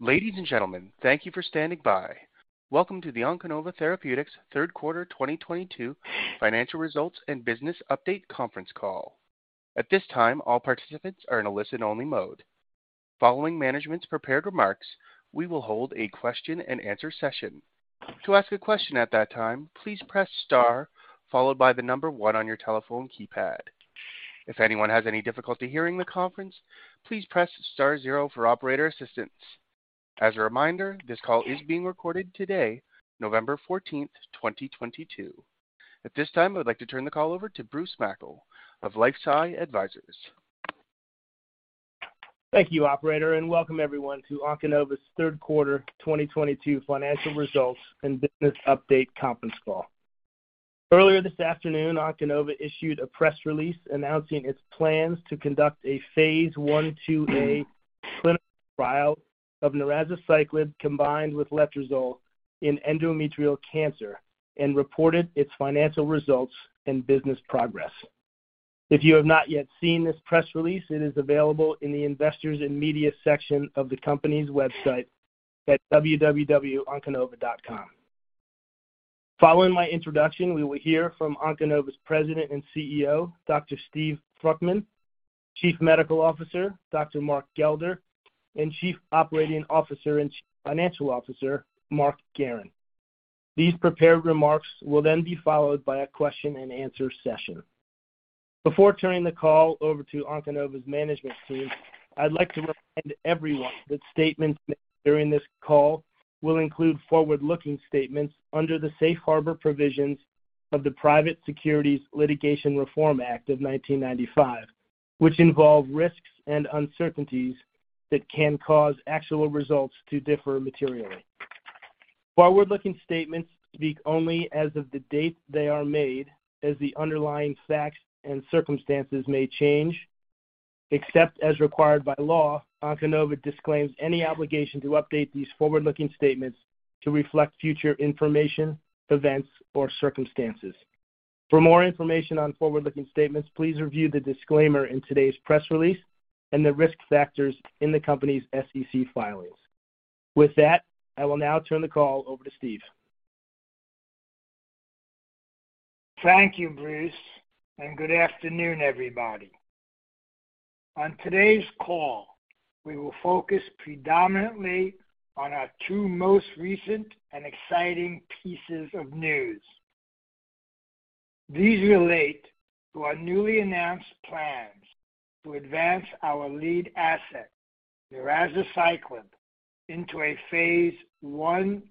Ladies and gentlemen, thank you for standing by. Welcome to the Onconova Third Quarter 2022 Financial Results and Business Update Conference Call. At this time, all participants are in a listen-only mode. Following management's prepared remarks, we will hold a question-and-answer session. To ask a question at that time, please press star followed by the number 1 on your telephone keypad. If anyone has any difficulty hearing the conference, please press star 0 for operator assistance. As a reminder, this call is being recorded today, November 14, 2022. At this time, I would like to turn the call over to Bruce Mackle of LifeSci Advisors. Thank you, operator, and welcome everyone to Onconova's third quarter 2022 financial results and business update conference call. Earlier this afternoon, Onconova issued a press release announcing its plans to conduct a phase 1/2 A clinical trial of niraparib combined with letrozole in endometrial cancer and reported its financial results and business progress. If you have not yet seen this press release, it is available in the Investors and Media section of the company's website at www.onconova.com. Following my introduction, we will hear from Onconova's President and CEO, Dr. Steven Fruchtman, Chief Medical Officer, Dr. Mark Gelder, and Chief Operating Officer and Chief Financial Officer, Mark Guerin. These prepared remarks will then be followed by a question-and-answer session. Before turning the call over Onconova's management team, I'd like to remind everyone that statements made during this call will include forward-looking statements under the Safe Harbor provisions of the Private Securities Litigation Reform Act of 1995, which involve risks and uncertainties that can cause actual results to differ materially. Forward-looking statements speak only as of the date they are made as the underlying facts and circumstances may change. Except as required by Onconova disclaims any obligation to update these forward-looking statements to reflect future information, events, or circumstances. For more information on forward-looking statements, please review the disclaimer in today's press release and the risk factors in the company's SEC filings. With that, I will now turn the call over to Steve. Thank you, Bruce, and good afternoon, everybody. On today's call, we will focus predominantly on our 2 most recent and exciting pieces of news. These relate to our newly announced plans to advance our lead asset, Narazaciclib, into a phase 1-2A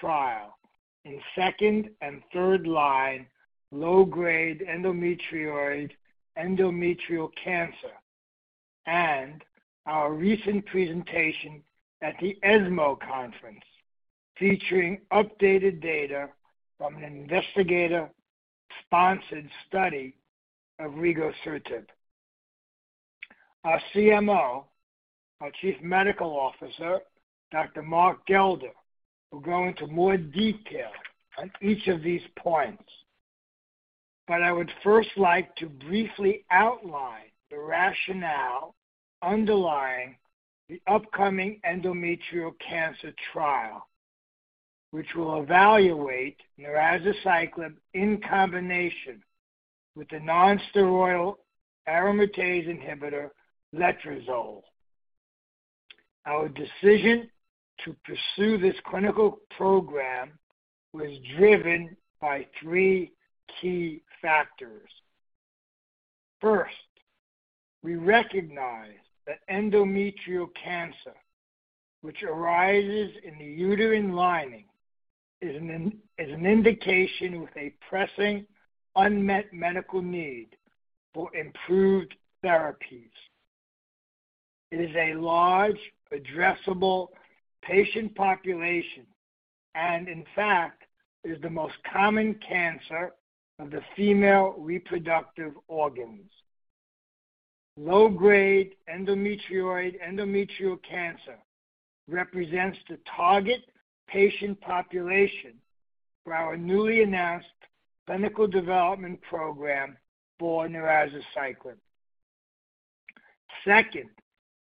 trial in second and third line low-grade endometrioid endometrial cancer and our recent presentation at the ESMO conference, featuring updated data from an investigator-sponsored study of rigosertib. Our CMO, our Chief Medical Officer, Dr. Mark Gelder, will go into more detail on each of these points. I would first like to briefly outline the rationale underlying the upcoming endometrial cancer trial, which will evaluate Narazaciclib in combination with a non-steroidal aromatase inhibitor letrozole. Our decision to pursue this clinical program was driven by 3 key factors. First, we recognized that endometrial cancer, which arises in the uterine lining, is an indication with a pressing unmet medical need for improved therapies. It is a large addressable patient population and, in fact, is the most common cancer of the female reproductive organs. Low-grade endometrioid endometrial cancer represents the target patient population for our newly announced clinical development program for Narazaciclib. Second,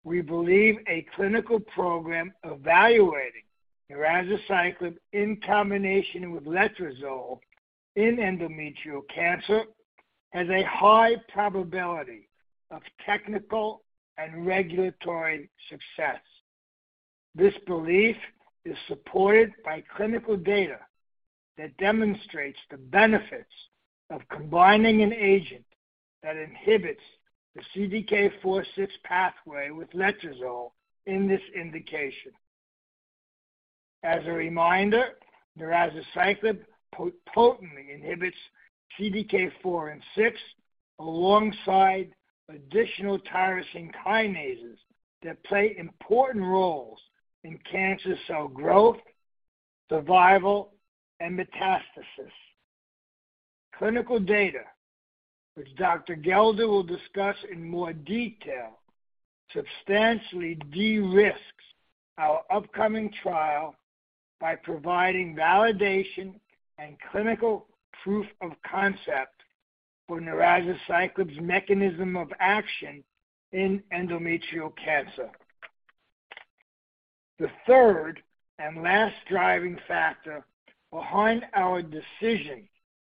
we believe a clinical program evaluating Narazaciclib in combination with letrozole in endometrial cancer has a high probability of technical and regulatory success. This belief is supported by clinical data that demonstrates the benefits of combining an agent that inhibits the CDK 4/6 pathway with letrozole in this indication. As a reminder, Narazaciclib potently inhibits CDK 4 and 6 alongside additional tyrosine kinases that play important roles in cancer cell growth, survival, and metastasis. Clinical data, which Dr. Gelder will discuss in more detail, substantially de-risk our upcoming trial by providing validation and clinical proof of concept for Narazaciclib's mechanism of action in endometrial cancer. The third and last driving factor behind our decision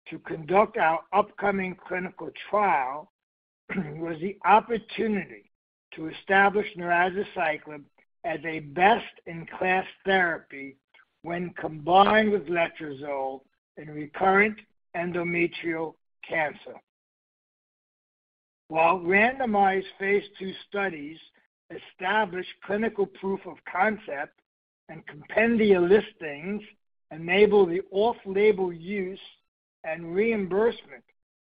to conduct our upcoming clinical trial was the opportunity to establish Narazaciclib as a best-in-class therapy when combined with letrozole in recurrent endometrial cancer. While randomized phase II studies establish clinical proof of concept and compendial listings enable the off-label use and reimbursement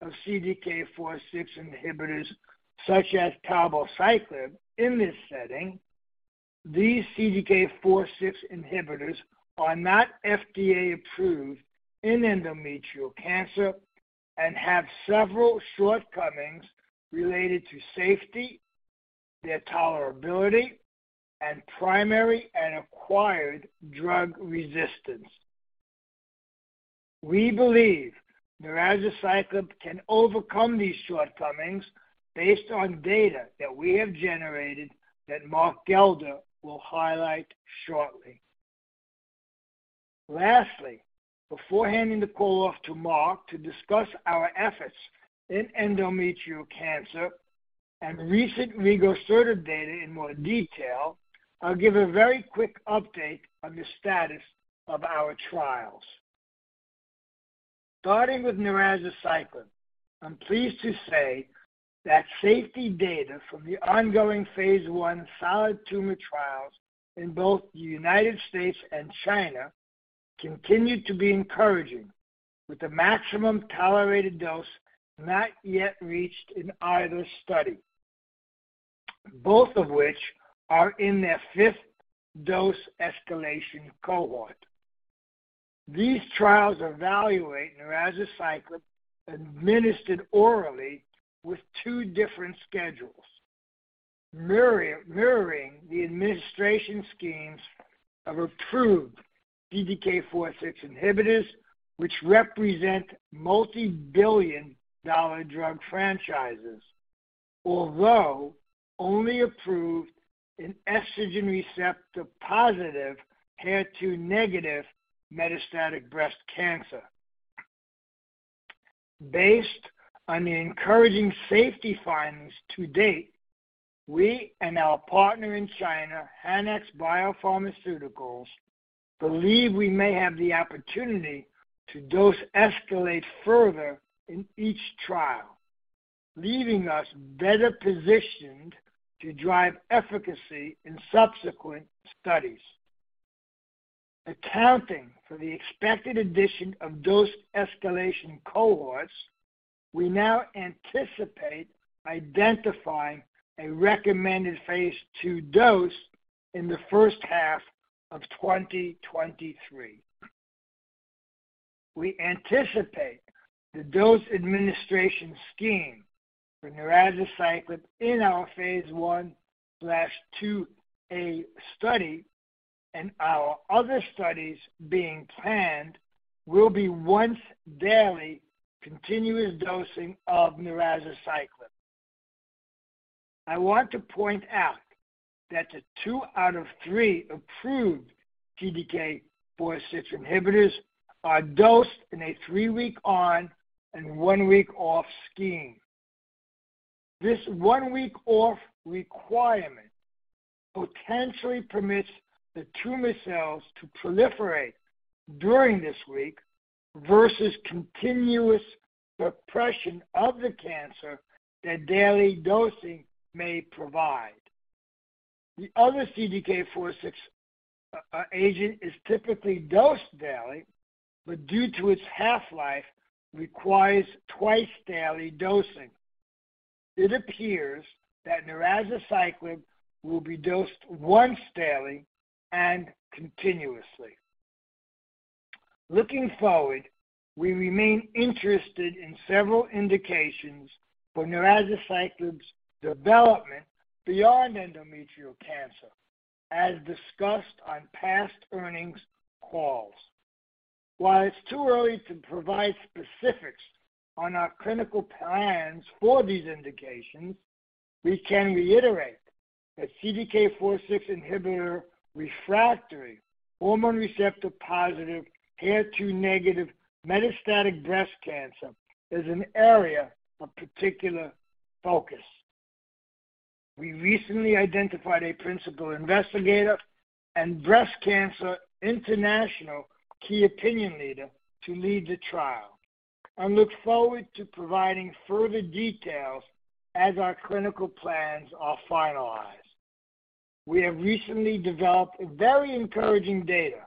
of CDK4/6 inhibitors such as palbociclib in this setting, these CDK4/6 inhibitors are not FDA-approved in endometrial cancer and have several shortcomings related to safety, their tolerability, and primary and acquired drug resistance. We believe Narazaciclib can overcome these shortcomings based on data that we have generated that Mark Gelder will highlight shortly. Lastly, before handing the call off to Mark to discuss our efforts in endometrial cancer and recent rigosertib data in more detail, I'll give a very quick update on the status of our trials. Starting with Narazaciclib, I'm pleased to say that safety data from the ongoing phase I solid tumor trials in both the United States and China continue to be encouraging, with the maximum tolerated dose not yet reached in either study, both of which are in their fifth dose escalation cohort. These trials evaluate Narazaciclib administered orally with 2 different schedules, mirroring the administration schemes of approved CDK4/6 inhibitors, which represent multi-billion-dollar drug franchises, although only approved in estrogen receptor-positive, HER2-negative metastatic breast cancer. Based on the encouraging safety findings to date, we and our partner in China, HanX Biopharmaceuticals, believe we may have the opportunity to dose escalate further in each trial, leaving us better positioned to drive efficacy in subsequent studies. Accounting for the expected addition of dose escalation cohorts, we now anticipate identifying a recommended phase II dose in the first half of 2023. We anticipate the dose administration scheme for Narazaciclib in our phase 1/2A study and our other studies being planned will be once-daily continuous dosing of Narazaciclib. I want to point out that the 2 out of 3 approved CDK4/6 inhibitors are dosed in a 3-week on and 1-week off scheme. This 1 week off requirement potentially permits the tumor cells to proliferate during this week versus continuous repression of the cancer that daily dosing may provide. The other CDK4/6 agent is typically dosed daily, but due to its half-life, requires twice-daily dosing. It appears that Narazaciclib will be dosed once daily and continuously. Looking forward, we remain interested in several indications for Narazaciclib's development beyond endometrial cancer, as discussed on past earnings calls. While it's too early to provide specifics on our clinical plans for these indications, we can reiterate that CDK4/6 inhibitor-refractory, hormone receptor-positive, HER2-negative metastatic breast cancer is an area of particular focus. We recently identified a principal investigator and breast cancer international key opinion leader to lead the trial and look forward to providing further details as our clinical plans are finalized. We have recently developed very encouraging data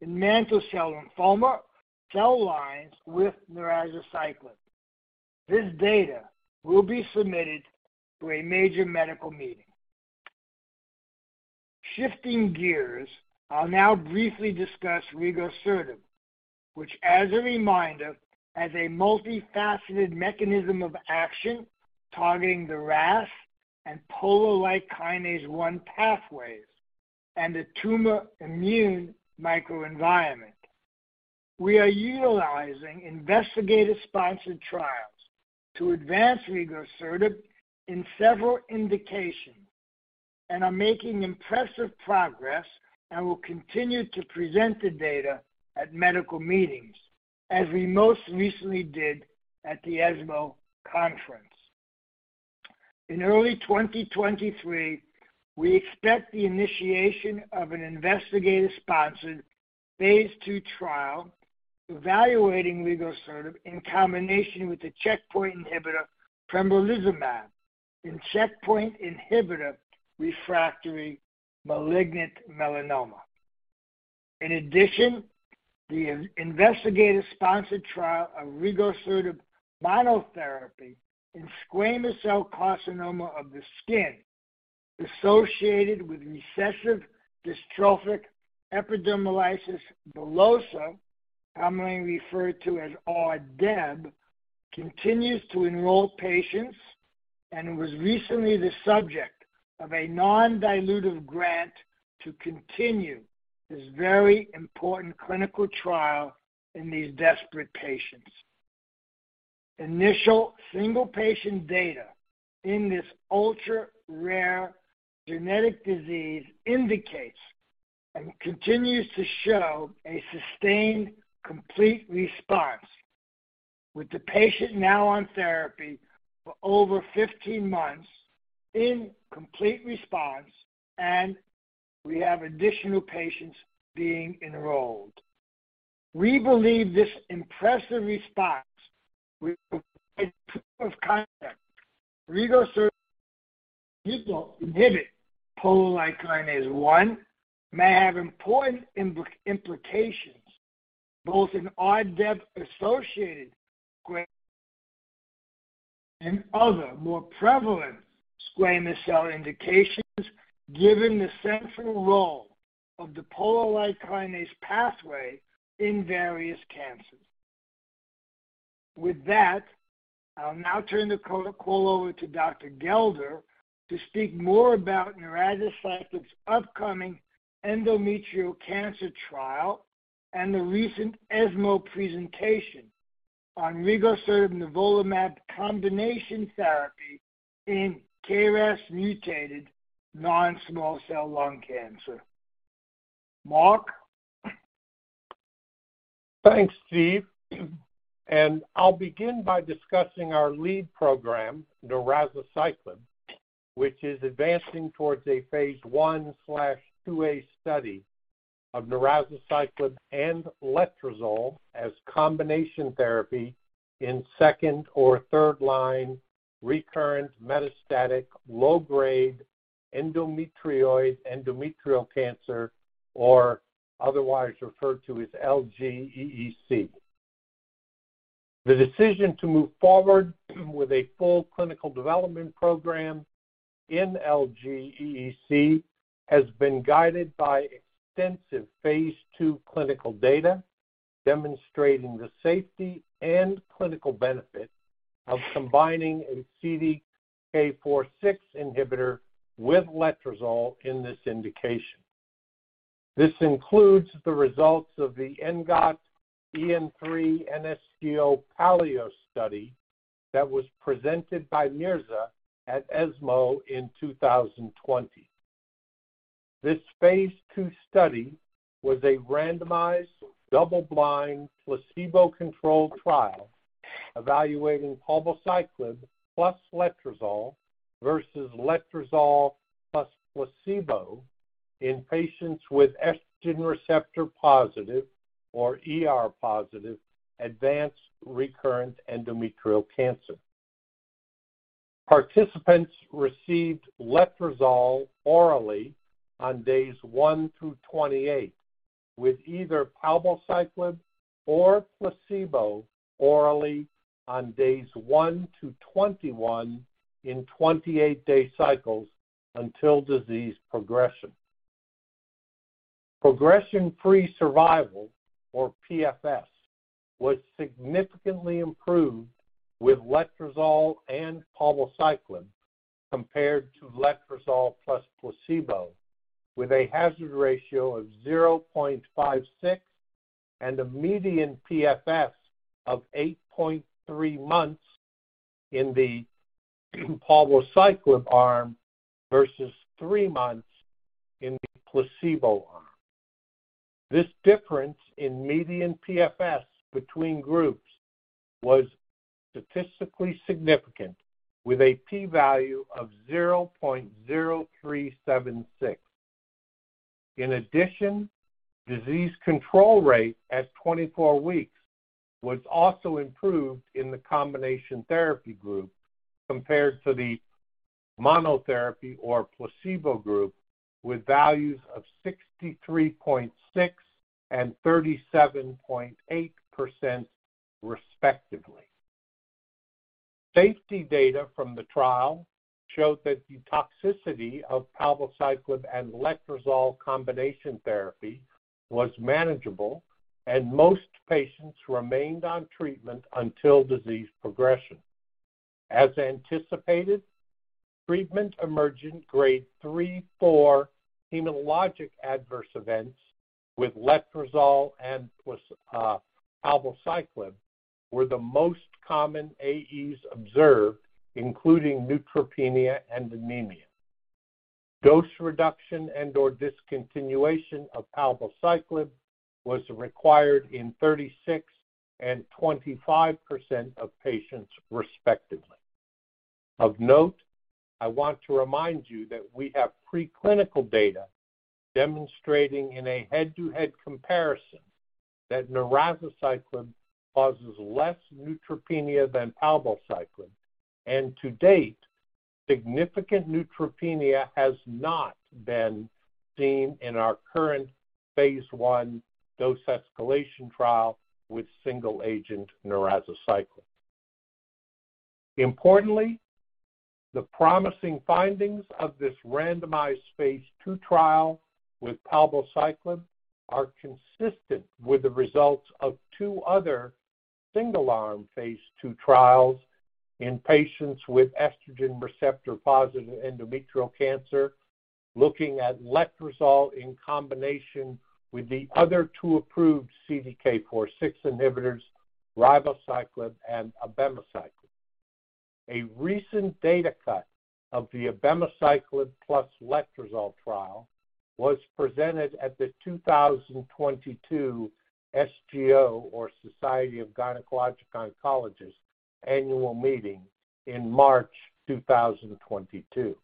in mantle cell lymphoma cell lines with Narazaciclib. This data will be submitted to a major medical meeting. Shifting gears, I'll now briefly discuss rigosertib. Which, as a reminder, has a multifaceted mechanism of action targeting the RAS and Polo-like kinase 1 pathways and the tumor immune microenvironment. We are utilizing investigator-sponsored trials to advance rigosertib in several indications and are making impressive progress and will continue to present the data at medical meetings, as we most recently did at the ESMO conference. In early 2023, we expect the initiation of an investigator-sponsored phase II trial evaluating rigosertib in combination with the checkpoint inhibitor pembrolizumab in checkpoint inhibitor-refractory malignant melanoma. In addition, the investigator-sponsored trial of rigosertib monotherapy in squamous cell carcinoma of the skin associated with recessive dystrophic epidermolysis bullosa, commonly referred to as RDEB, continues to enroll patients and was recently the subject of a non-dilutive grant to continue this very important clinical trial in these desperate patients. Initial single-patient data in this ultra-rare genetic disease indicates and continues to show a sustained complete response with the patient now on therapy for over 15 months in complete response, and we have additional patients being enrolled. We believe this impressive response will provide proof of concept. Rigosertib's ability to inhibit Polo-like kinase 1 may have important implications both in RDEB-associated squamous and other more prevalent squamous cell indications, given the central role of the polo-like kinase pathway in various cancers. With that, I'll now turn the call over to Dr. Gelder to speak more about Narazaciclib's upcoming endometrial cancer trial and the recent ESMO presentation on rigosertib nivolumab combination therapy in KRAS-mutated non-small cell lung cancer. Mark? Thanks, Steve. I'll begin by discussing our lead program, Narazaciclib, which is advancing towards a phase 1/2A study of Narazaciclib and letrozole as combination therapy in second or third-line recurrent metastatic low-grade endometrioid endometrial cancer or otherwise referred to as LGEC. The decision to move forward with a full clinical development program in LGEC has been guided by extensive phase II clinical data demonstrating the safety and clinical benefit of combining a CDK4/6 inhibitor with letrozole in this indication. This includes the results of the ENGOT-EN3 NSGO-PALEO study that was presented by Mirza at ESMO in 2020. This phase II study was a randomized, double-blind, placebo-controlled trial evaluating palbociclib plus letrozole versus letrozole plus placebo in patients with estrogen receptor-positive or ER-positive advanced recurrent endometrial cancer. Participants received letrozole orally on days 1-28, with either palbociclib or placebo orally on days 1-21 in 28-day cycles until disease progression. Progression-free survival or PFS was significantly improved with letrozole and palbociclib compared to letrozole plus placebo with a hazard ratio of 0.56 and a median PFS of 8.3 months in the palbociclib arm versus 3 months in the placebo arm. This difference in median PFS between groups was statistically significant with a p-value of 0.0376. In addition, disease control rate at 24 weeks was also improved in the combination therapy group compared to the monotherapy or placebo group with values of 63.6% and 37.8% respectively. Safety data from the trial showed that the toxicity of palbociclib and letrozole combination therapy was manageable, and most patients remained on treatment until disease progression. As anticipated, treatment-emergent grade 3-4 hematologic adverse events with letrozole plus palbociclib were the most common AEs observed, including neutropenia and anemia. Dose reduction and/or discontinuation of palbociclib was required in 36% and 25% of patients respectively. Of note, I want to remind you that we have preclinical data demonstrating in a head-to-head comparison that niraparib causes less neutropenia than palbociclib. To date, significant neutropenia has not been seen in our current phase I dose escalation trial with single-agent niraparib. Importantly, the promising findings of this randomized phase II trial with palbociclib are consistent with the results of 2 other single-arm phase II trials in patients with estrogen receptor-positive endometrial cancer looking at letrozole in combination with the other 2 approved CDK4/6 inhibitors, ribociclib and abemaciclib. A recent data cut of the abemaciclib plus letrozole trial was presented at the 2022 SGO or Society of Gynecologic Oncology annual meeting in March 2022.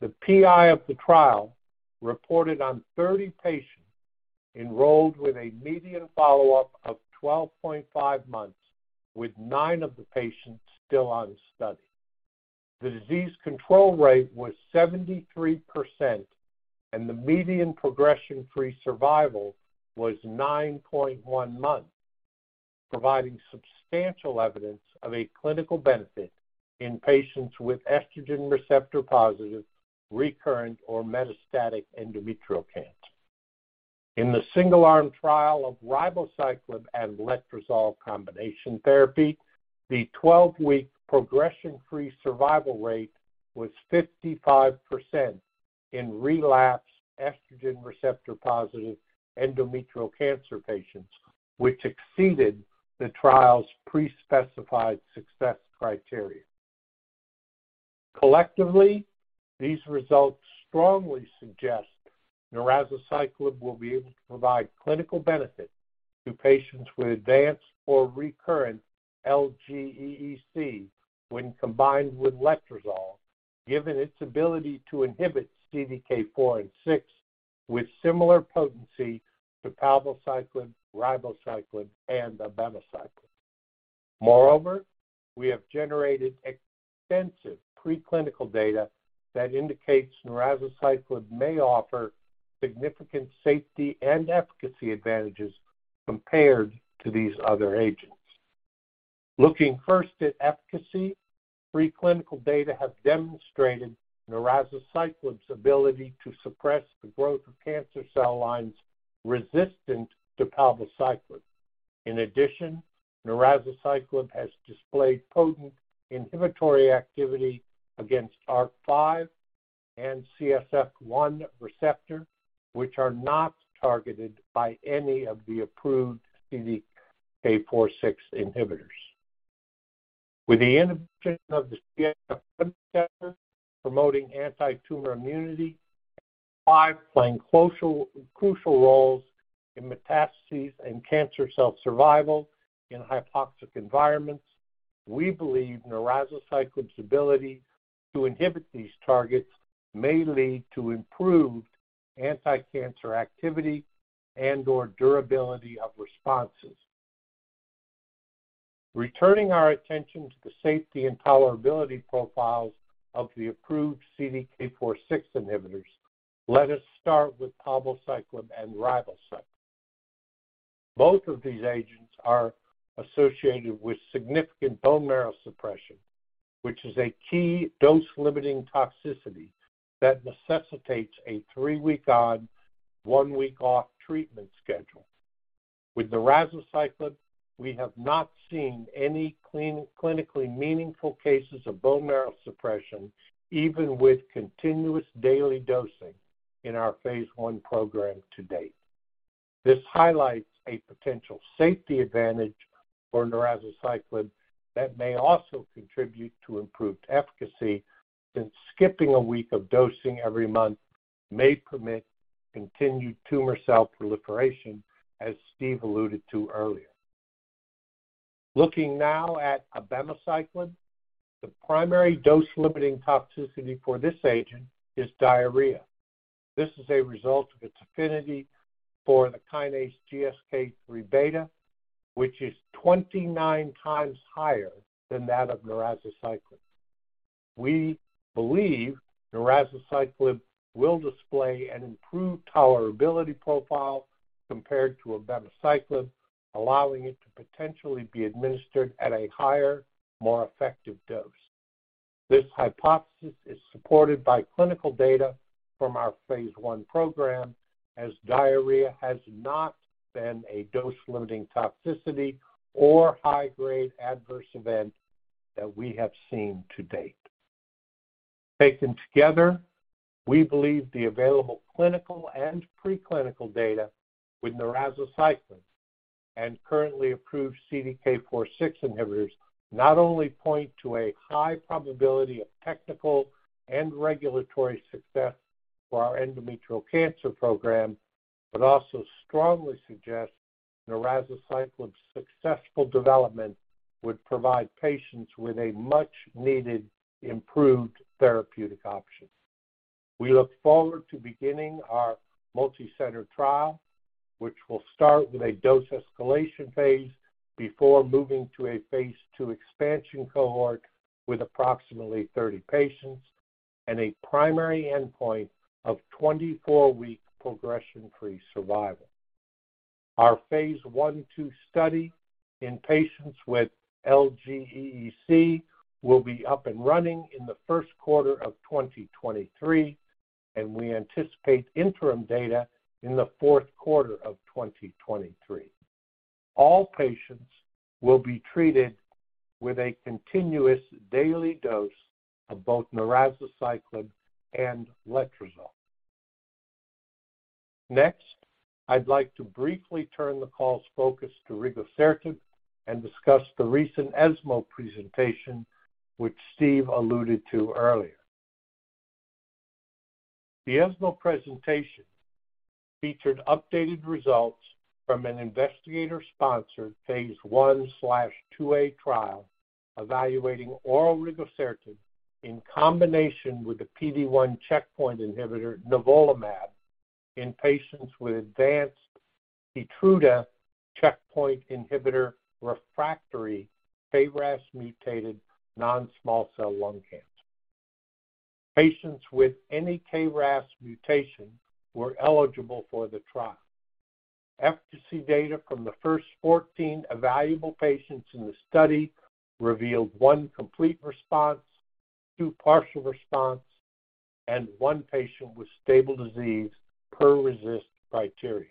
The PI of the trial reported on 30 patients enrolled with a median follow-up of 12.5 months, with 9 of the patients still on study. The disease control rate was 73%, and the median progression-free survival was 9.1 months, providing substantial evidence of a clinical benefit in patients with estrogen receptor-positive, recurrent or metastatic endometrial cancer. In the single-arm trial of ribociclib and letrozole combination therapy, the 12-week progression-free survival rate was 55% in relapsed estrogen receptor-positive endometrial cancer patients, which exceeded the trial's pre-specified success criteria. Collectively, these results strongly suggest Narazaciclib will be able to provide clinical benefit to patients with advanced or recurrent LGEC when combined with letrozole, given its ability to inhibit CDK4 and 6 with similar potency to palbociclib, ribociclib, and abemaciclib. Moreover, we have generated extensive preclinical data that indicates Narazaciclib may offer significant safety and efficacy advantages compared to these other agents. Looking first at efficacy, preclinical data have demonstrated Narazaciclib's ability to suppress the growth of cancer cell lines resistant to palbociclib. In addition, Narazaciclib has displayed potent inhibitory activity against ARK5 and CSF1 receptor, which are not targeted by any of the approved CDK4/6 inhibitors. With the inhibition of the receptor promoting antitumor immunity, ARK5 playing crucial roles in metastases and cancer cell survival in hypoxic environments, we believe niraparib's ability to inhibit these targets may lead to improved anticancer activity and/or durability of responses. Returning our attention to the safety and tolerability profiles of the approved CDK4/6 inhibitors, let us start with palbociclib and ribociclib. Both of these agents are associated with significant bone marrow suppression, which is a key dose-limiting toxicity that necessitates a 3-week on, 1-week off treatment schedule. With niraparib, we have not seen any clinically meaningful cases of bone marrow suppression, even with continuous daily dosing in our phase I program to date. This highlights a potential safety advantage for niraparib that may also contribute to improved efficacy, since skipping a week of dosing every month may permit continued tumor cell proliferation, as Steve alluded to earlier. Looking now at abemaciclib, the primary dose-limiting toxicity for this agent is diarrhea. This is a result of its affinity for the kinase GSK-3β, which is 29 times higher than that of niraparib. We believe Narazaciclib will display an improved tolerability profile compared to abemaciclib, allowing it to potentially be administered at a higher, more effective dose. This hypothesis is supported by clinical data from our phase I program, as diarrhea has not been a dose-limiting toxicity or high-grade adverse event that we have seen to date. Taken together, we believe the available clinical and preclinical data with Narazaciclib and currently approved CDK4/6 inhibitors not only point to a high probability of technical and regulatory success for our endometrial cancer program, but also strongly suggest Narazaciclib's successful development would provide patients with a much-needed improved therapeutic option. We look forward to beginning our multicenter trial, which will start with a dose escalation phase before moving to a phase II expansion cohort with approximately 30 patients and a primary endpoint of 24-week progression-free survival. Our phase 1/2 study in patients with LGEC will be up and running in the first quarter of 2023, and we anticipate interim data in the fourth quarter of 2023. All patients will be treated with a continuous daily dose of both Narazaciclib and letrozole. Next, I'd like to briefly turn the call's focus to rigosertib and discuss the recent ESMO presentation which Steve alluded to earlier. The ESMO presentation featured updated results from an investigator-sponsored phase 1/2A trial evaluating oral rigosertib in combination with the PD-1 checkpoint inhibitor nivolumab in patients with advanced Keytruda checkpoint inhibitor-refractory KRAS-mutated non-small cell lung cancer. Patients with any KRAS mutation were eligible for the trial. Efficacy data from the first 14 evaluable patients in the study revealed one complete response, 2 partial responses, and 1 patient with stable disease per RECIST criteria.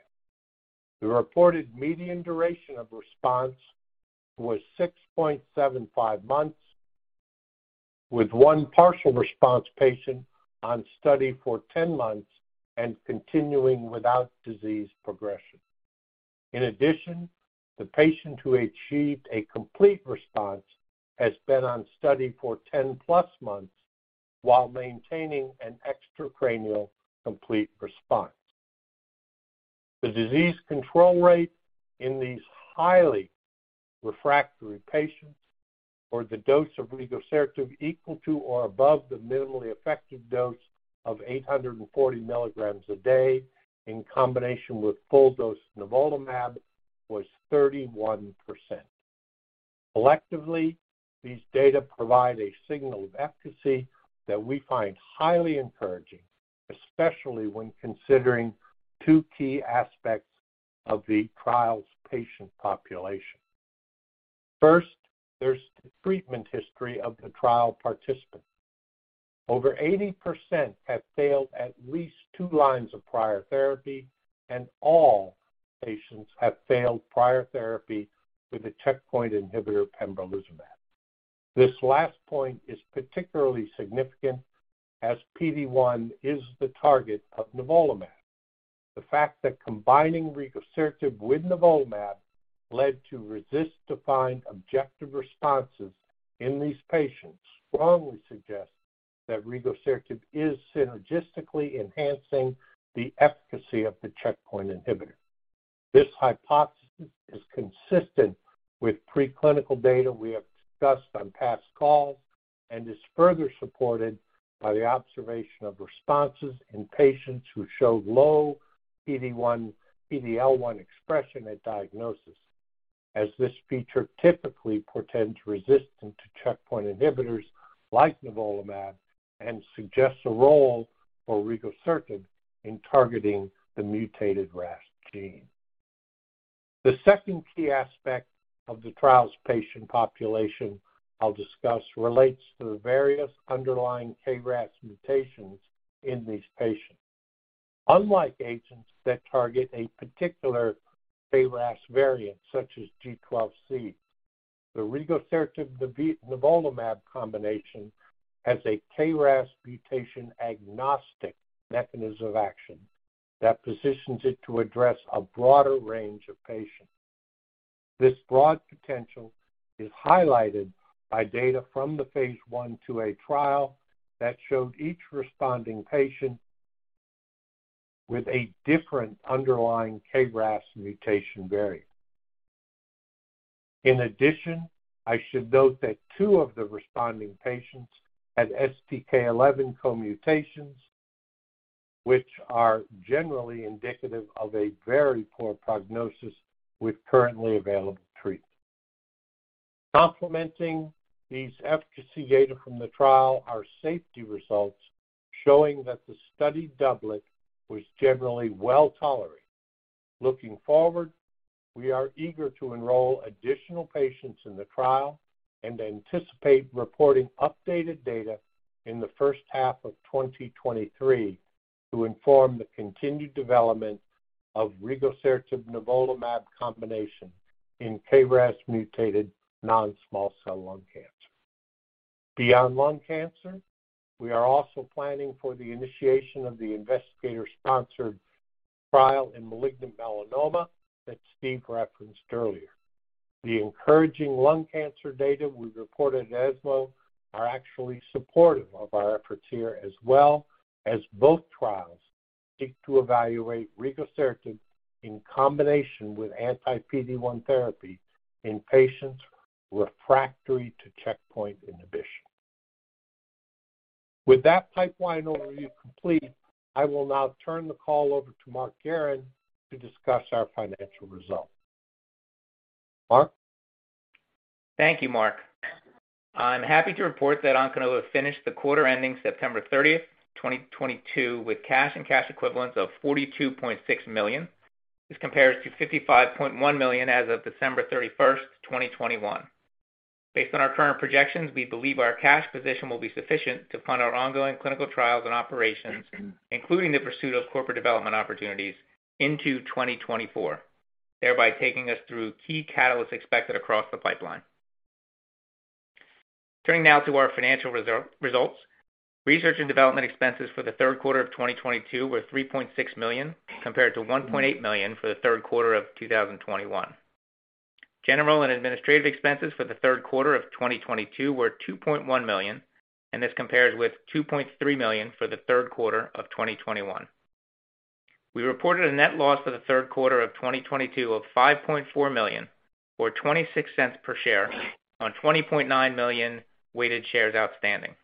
The reported median duration of response was 6.75 months, with 1 partial response patient on study for 10 months and continuing without disease progression. In addition, the patient who achieved a complete response has been on study for 10+ months while maintaining an extracranial complete response. The disease control rate in these highly refractory patients for the dose of rigosertib equal to or above the minimally effective dose of 840 milligrams a day in combination with full-dose nivolumab was 31%. Collectively, these data provide a signal of efficacy that we find highly encouraging, especially when considering 2 key aspects of the trial's patient population. First, there's the treatment history of the trial participants. Over 80% have failed at least 2 lines of prior therapy, and all patients have failed prior therapy with the checkpoint inhibitor pembrolizumab. This last point is particularly significant as PD-1 is the target of nivolumab. The fact that combining rigosertib with nivolumab led to RECIST-defined objective responses in these patients strongly suggests that rigosertib is synergistically enhancing the efficacy of the checkpoint inhibitor. This hypothesis is consistent with preclinical data we have discussed on past calls and is further supported by the observation of responses in patients who showed low PD-L1 expression at diagnosis, as this feature typically portends resistance to checkpoint inhibitors like nivolumab and suggests a role for rigosertib in targeting the mutated RAS gene. The second key aspect of the trial's patient population I'll discuss relates to the various underlying KRAS mutations in these patients. Unlike agents that target a particular KRAS variant, such as G12C, the rigosertib-nivo-nivolumab combination has a KRAS mutation-agnostic mechanism of action that positions it to address a broader range of patients. This broad potential is highlighted by data from the phase 1/2-A trial that showed each responding patient with a different underlying KRAS mutation variant. In addition, I should note that 2 of the responding patients had STK11 co-mutations. Which are generally indicative of a very poor prognosis with currently available treatments. Complementing these efficacy data from the trial are safety results showing that the studied doublet was generally well-tolerated. Looking forward, we are eager to enroll additional patients in the trial and anticipate reporting updated data in the first half of 2023 to inform the continued development of rigosertib/nivolumab combination in KRAS-mutated non-small cell lung cancer. Beyond lung cancer, we are also planning for the initiation of the investigator-sponsored trial in malignant melanoma that Steve referenced earlier. The encouraging lung cancer data we reported at ESMO are actually supportive of our efforts here as well as both trials seek to evaluate rigosertib in combination with anti-PD-1 therapy in patients refractory to checkpoint inhibition. With that pipeline overview complete, I will now turn the call over to Mark Guerin to discuss our financial results. Mark? Thank you, Mark. I'm happy to report that Onconova finished the quarter ending September 30, 2022, with cash and cash equivalents of $42.6 million. This compares to $55.1 million as of December 31, 2021. Based on our current projections, we believe our cash position will be sufficient to fund our ongoing clinical trials and operations, including the pursuit of corporate development opportunities into 2024, thereby taking us through key catalysts expected across the pipeline. Turning now to our financial results. Research and development expenses for the third quarter of 2022 were $3.6 million, compared to $1.8 million for the third quarter of 2021. General and administrative expenses for the third quarter of 2022 were $2.1 million, and this compares with $2.3 million for the third quarter of 2021. We reported a net loss for the third quarter of 2022 of $5.4 million, or $0.26 per share on 20.9 million weighted shares outstanding.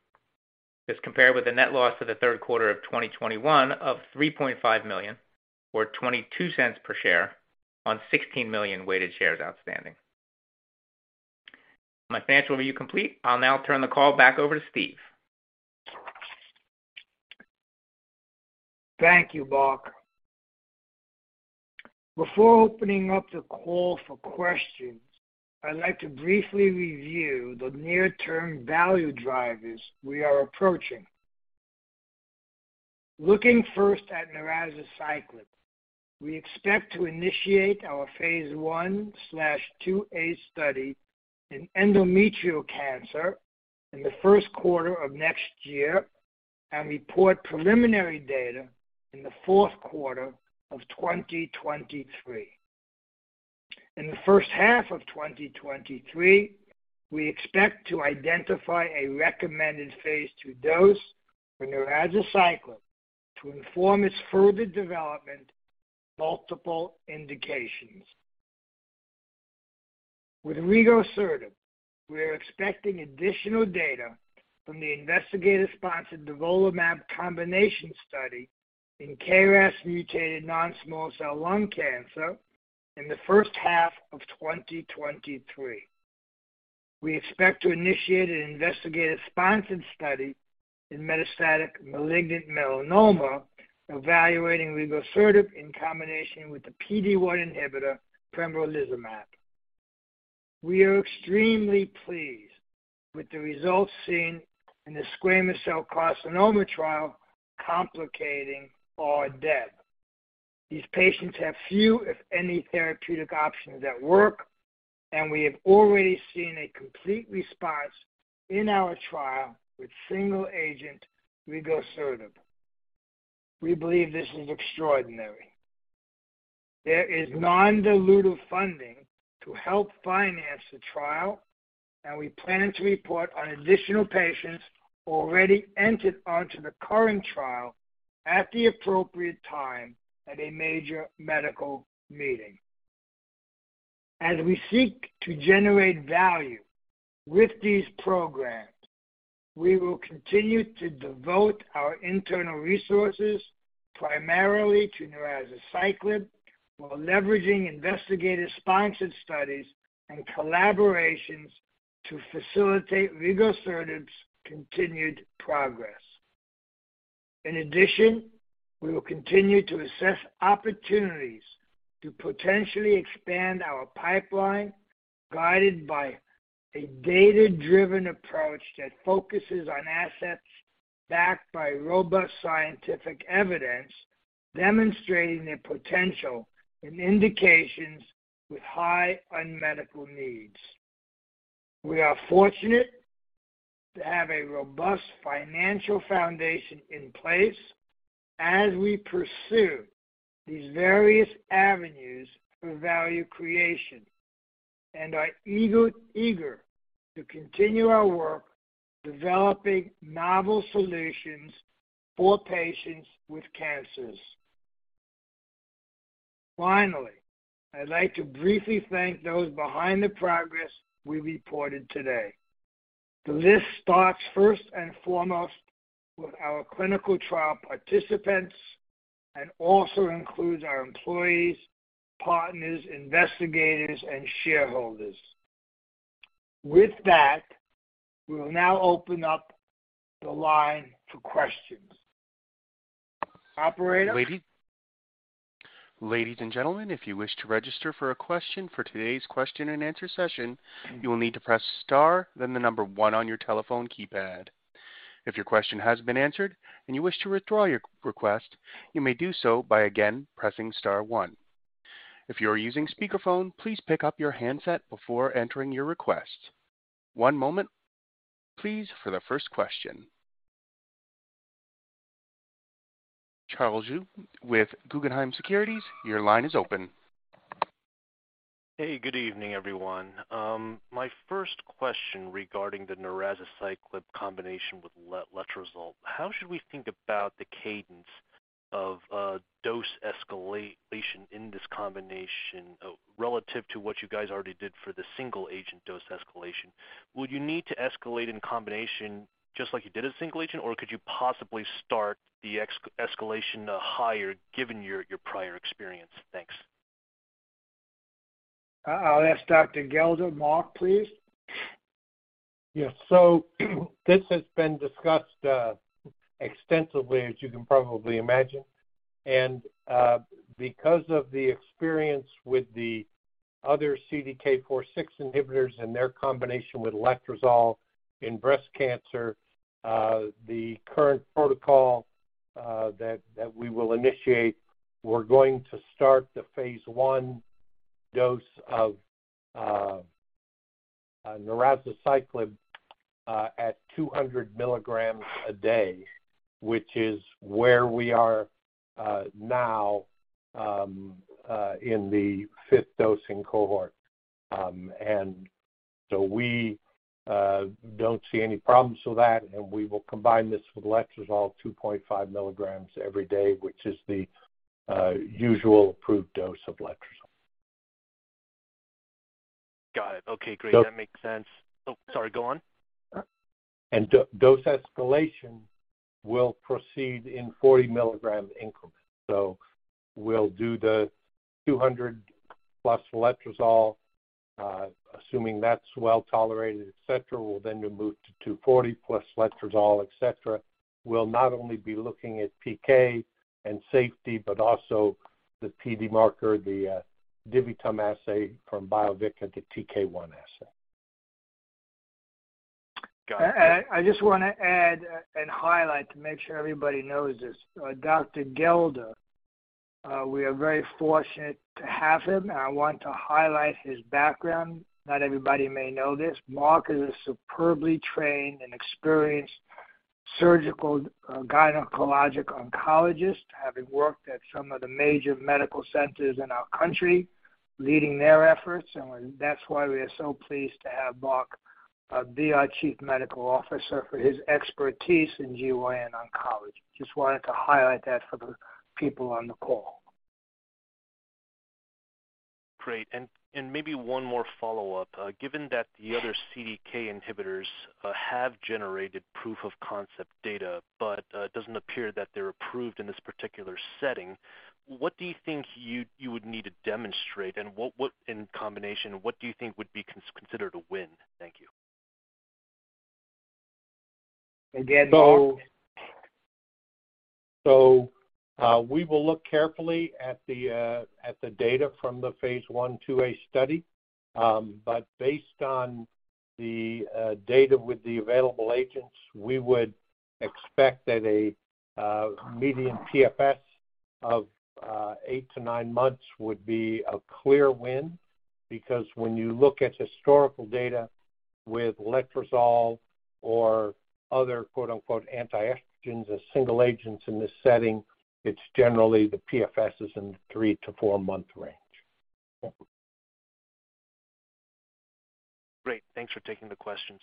This compared with the net loss for the third quarter of 2021 of $3.5 million or $0.22 per share on 16 million weighted shares outstanding. My financial review complete, I'll now turn the call back over to Steven. Thank you, Mark. Before opening up the call for questions, I'd like to briefly review the near-term value drivers we are approaching. Looking first at Narazaciclib, we expect to initiate our phase 1/2A study in endometrial cancer in the first quarter of next year and report preliminary data in the fourth quarter of 2023. In the first half of 2023, we expect to identify a recommended phase II dose for Narazaciclib to inform its further development of multiple indications. With rigosertib, we are expecting additional data from the investigator-sponsored nivolumab combination study in KRAS-mutated non-small cell lung cancer in the first half of 2023. We expect to initiate an investigator-sponsored study in metastatic malignant melanoma evaluating rigosertib in combination with the PD-1 inhibitor pembrolizumab. We are extremely pleased with the results seen in the squamous cell carcinoma trial in head and neck. These patients have few, if any, therapeutic options that work, and we have already seen a complete response in our trial with single agent rigosertib. We believe this is extraordinary. There is non-dilutive funding to help finance the trial, and we're planning to report on additional patients already entered onto the current trial at the appropriate time at a major medical meeting. As we seek to generate value with these programs, we will continue to devote our internal resources primarily to Narazaciclib while leveraging investigator-sponsored studies and collaborations to facilitate rigosertib's continued progress. In addition, we will continue to assess opportunities to potentially expand our pipeline, guided by a data-driven approach that focuses on assets backed by robust scientific evidence, demonstrating their potential in indications with high unmet medical needs. We are fortunate to have a robust financial foundation in place as we pursue these various avenues for value creation and are eager to continue our work developing novel solutions for patients with cancers. Finally, I'd like to briefly thank those behind the progress we reported today. The list starts first and foremost with our clinical trial participants and also includes our employees, partners, investigators, and shareholders. With that, we will now open up the line for questions. Operator? Ladies and gentlemen, if you wish to register for a question for today's question and answer session, you will need to press star, then the number one on your telephone keypad. If your question has been answered and you wish to withdraw your request, you may do so by again pressing star one. If you are using speakerphone, please pick up your handset before entering your request. One moment please for the first question. Charles Zhu with Guggenheim Securities, your line is open. Hey, good evening, everyone. My first question regarding the Narazaciclib combination with letrozole. How should we think about the cadence of dose escalation in this combination relative to what you guys already did for the single-agent dose escalation? Would you need to escalate in combination just like you did a single agent, or could you possibly start the escalation higher given your prior experience? Thanks. I'll ask Dr. Gelder. Mark, please. Yes. This has been discussed extensively, as you can probably imagine. Because of the experience with the other CDK4/6 inhibitors and their combination with letrozole in breast cancer, the current protocol that we will initiate, we're going to start the phase I dose of Narazaciclib at 200 milligrams a day, which is where we are now in the fifth dosing cohort. We don't see any problems with that. We will combine this with letrozole 2.5 milligrams every day, which is the usual approved dose of letrozole. Got it. Okay, great. So- That makes sense. Oh, sorry. Go on. Dose escalation will proceed in 40-milligram increments. We'll do the 200 plus letrozole. Assuming that's well-tolerated, et cetera, we'll then move to 240 plus letrozole, et cetera. We'll not only be looking at PK and safety, but also the PD marker, the DiviTum assay from Biovica, the TK1 assay. Got it. I just wanna add and highlight to make sure everybody knows this. Dr. Gelder, we are very fortunate to have him. I want to highlight his background. Not everybody may know this. Mark is a superbly trained and experienced surgical gynecologic oncologist, having worked at some of the major medical centers in our country, leading their efforts, and that's why we are so pleased to have Mark be our Chief Medical Officer for his expertise in GYN oncology. Just wanted to highlight that for the people on the call. Great. Maybe 1 more follow-up. Given that the other CDK inhibitors have generated proof of concept data but it doesn't appear that they're approved in this particular setting, what do you think you would need to demonstrate? And what in combination, what do you think would be considered a win? Thank you. Again, Mark. We will look carefully at the data from the phase 1/2a study. Based on the data with the available agents, we would expect that a median PFS of 8 to 9 months would be a clear win because when you look at historical data with letrozole or other "antiestrogens" as single agents in this setting, it's generally the PFS is in the 3 to 4 month range. Great. Thanks for taking the questions.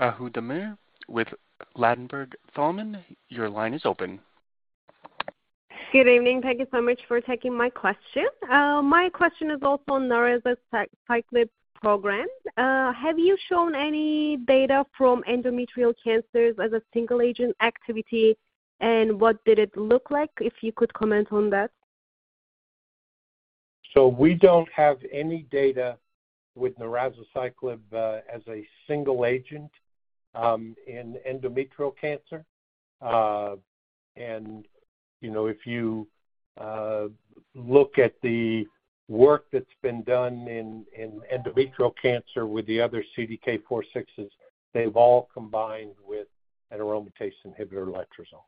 Ahu Demir with Ladenburg Thalmann. Your line is open. Good evening. Thank you so much for taking my question. My question is also on Narazaciclib program. Have you shown any data from endometrial cancers as a single-agent activity, and what did it look like, if you could comment on that? We don't have any data with Narazaciclib as a single agent in endometrial cancer. You know, if you look at the work that's been done in endometrial cancer with the other CDK4/6s, they've all combined with an aromatase inhibitor, letrozole.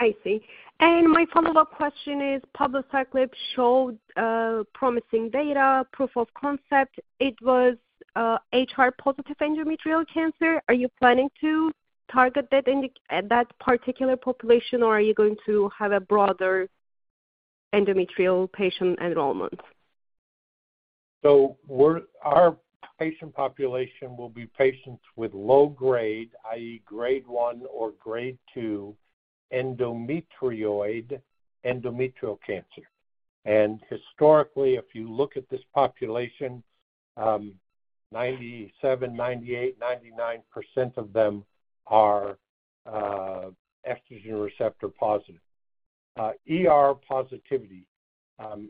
I see. My follow-up question is palbociclib showed promising data, proof of concept. It was HR-positive endometrial cancer. Are you planning to target that particular population, or are you going to have a broader endometrial patient enrollment? Our patient population will be patients with low grade, i.e., grade 1 or grade 2 endometrioid endometrial cancer. Historically, if you look at this population, 97%-99% of them are estrogen receptor-positive. ER positivity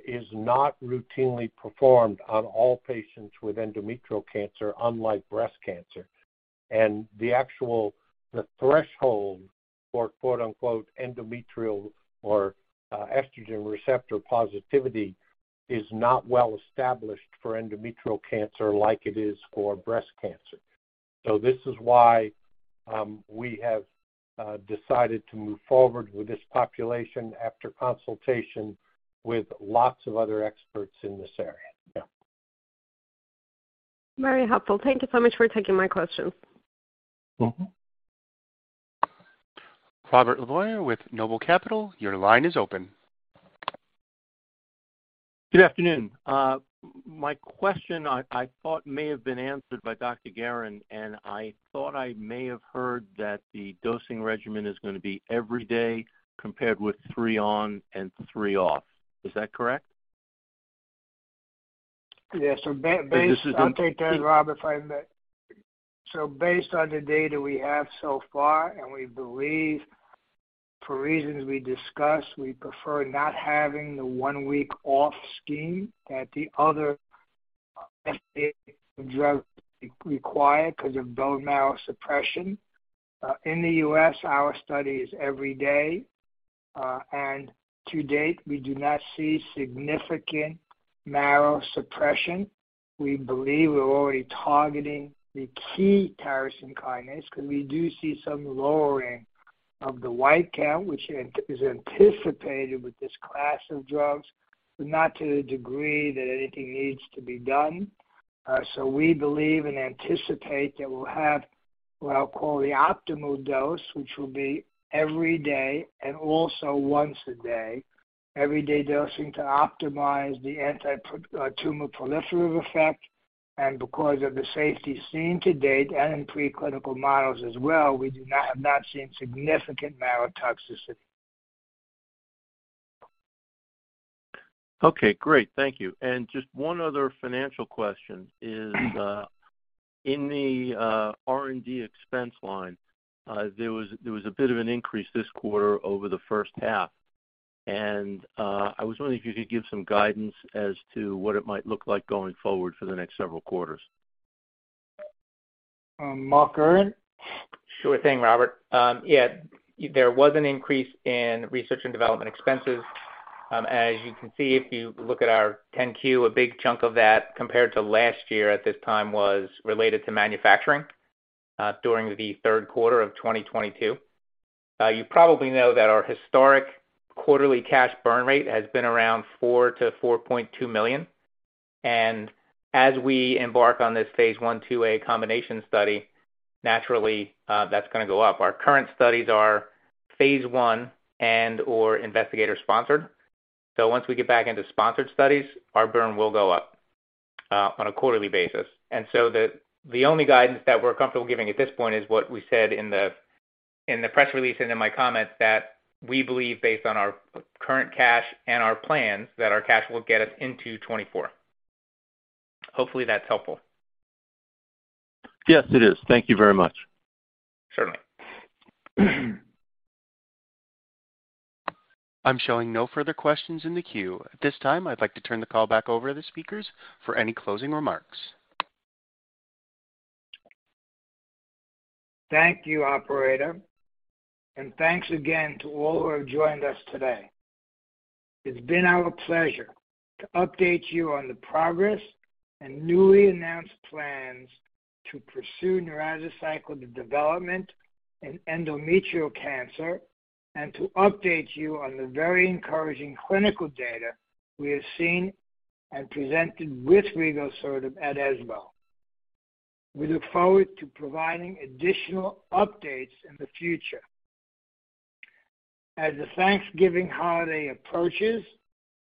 is not routinely performed on all patients with endometrial cancer, unlike breast cancer. The actual threshold for quote-unquote endometrial or estrogen receptor positivity is not well established for endometrial cancer like it is for breast cancer. This is why we have decided to move forward with this population after consultation with lots of other experts in this area. Very helpful. Thank you so much for taking my question. Mm-hmm. Robert LeBoyer with Noble Capital Markets, your line is open. Good afternoon. My question I thought may have been answered by Dr. Guerin, and I thought I may have heard that the dosing regimen is gonna be every day compared with 3 on and 3 off. Is that correct? Yeah. This is the- I'll take that, Rob, if I may. Based on the data we have so far, and we believe for reasons we discussed, we prefer not having the 1 week off scheme that the other FDA drug require 'cause of bone marrow suppression. In the US, our study is every day, and to date, we do not see significant marrow suppression. We believe we're already targeting the key tyrosine kinase 'cause we do see some lowering of the white count, which is anticipated with this class of drugs, but not to the degree that anything needs to be done. We believe and anticipate that we'll have what I'll call the optimal dose, which will be every day and also once a day. Every day dosing to optimize the tumor proliferative effect. Because of the safety seen to date and in preclinical models as well, we have not seen significant marrow toxicity. Okay, great. Thank you. Just 1 other financial question is, in the R&D expense line, there was a bit of an increase this quarter over the first half. I was wondering if you could give some guidance as to what it might look like going forward for the next several quarters. Mark Guerin. Sure thing, Robert. Yeah, there was an increase in research and development expenses. As you can see, if you look at our 10-Q, a big chunk of that compared to last year at this time was related to manufacturing during the third quarter of 2022. You probably know that our historic quarterly cash burn rate has been around $4-$4.2 million. As we embark on this phase 1, 2A combination study, naturally, that's gonna go up. Our current studies are phase I and/or investigator-sponsored. Once we get back into sponsored studies, our burn will go up on a quarterly basis. The only guidance that we're comfortable giving at this point is what we said in the press release and in my comment that we believe based on our current cash and our plans that our cash will get us into 2024. Hopefully, that's helpful. Yes, it is. Thank you very much. Certainly. I'm showing no further questions in the queue. At this time, I'd like to turn the call back over to the speakers for any closing remarks. Thank you, operator, and thanks again to all who have joined us today. It's been our pleasure to update you on the progress and newly announced plans to pursue Narazaciclib development in endometrial cancer and to update you on the very encouraging clinical data we have seen and presented with rigosertib at ESMO. We look forward to providing additional updates in the future. As the Thanksgiving holiday approaches,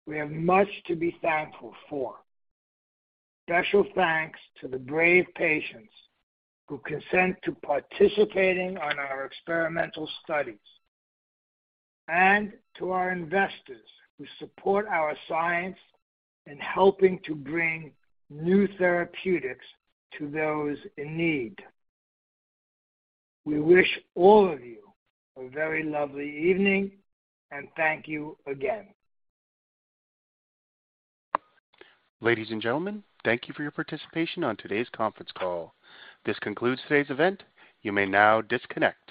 we have much to be thankful for. Special thanks to the brave patients who consent to participating on our experimental studies, and to our investors who support our science in helping to bring new therapeutics to those in need. We wish all of you a very lovely evening, and thank you again. Ladies and gentlemen, thank you for your participation on today's conference call. This concludes today's event. You may now disconnect.